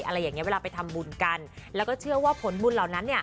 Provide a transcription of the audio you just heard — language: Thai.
อะไรอย่างเงี้เวลาไปทำบุญกันแล้วก็เชื่อว่าผลบุญเหล่านั้น